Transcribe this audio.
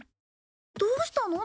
どうしたの？